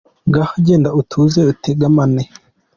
Ngaho jyenda utuze utengamare